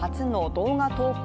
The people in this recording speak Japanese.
動画投稿